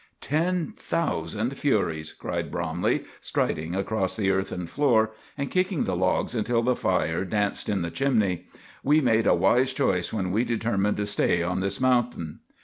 "Ten thousand furies!" cried Bromley, striding across the earthen floor and kicking the logs until the fire danced in the chimney; "we made a wise choice when we determined to stay on this mountain."